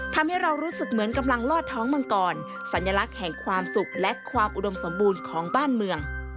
ทำให้เรารู้สึกเหมือนกำลังลอดท้องมังกรสัญลักษณ์แห่งความสุขและความอุดมสมบูรณ์ของบ้านเมือง